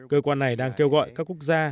cơ quan này đang kêu gọi các quốc gia